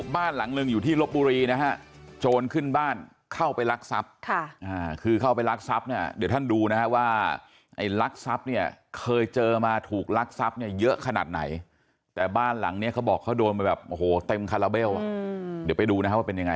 บ้านหลังหนึ่งอยู่ที่ลบบุรีนะฮะโจรขึ้นบ้านเข้าไปรักทรัพย์คือเข้าไปรักทรัพย์เนี่ยเดี๋ยวท่านดูนะฮะว่าไอ้รักทรัพย์เนี่ยเคยเจอมาถูกลักทรัพย์เนี่ยเยอะขนาดไหนแต่บ้านหลังเนี้ยเขาบอกเขาโดนมาแบบโอ้โหเต็มคาราเบลอ่ะเดี๋ยวไปดูนะฮะว่าเป็นยังไง